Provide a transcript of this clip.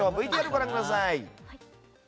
ＶＴＲご覧ください。